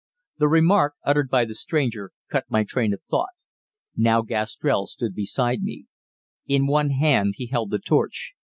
The remark, uttered by the stranger, cut my train of thought. Now Gastrell stood beside me. In one hand he held the torch.